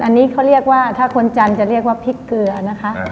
อันนี้เขาเรียกว่าถ้าคนจันทร์จะเรียกว่าพริกเกลือนะคะ